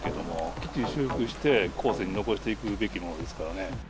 きっちり修復して後世に残していくべきものですからね。